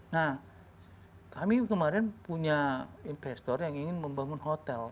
nah kami kemarin punya investor yang ingin membangun hotel